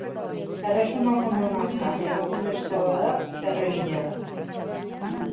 Erresumako monarka emakumezkoa bada, erregina da.